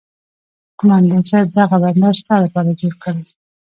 قومندان صايب دغه بنډار ستا لپاره جوړ کړى.